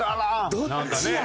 どっちや？